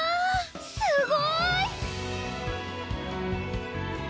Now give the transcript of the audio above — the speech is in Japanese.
すごい！